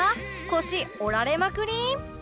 腰折られまくり！？